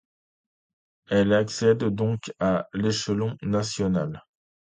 Elles accèdent donc à l’échelon national.